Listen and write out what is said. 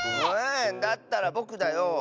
だったらぼくだよ。